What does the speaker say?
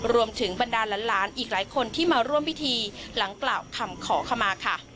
บรรดาหลานอีกหลายคนที่มาร่วมพิธีหลังกล่าวคำขอขมาค่ะ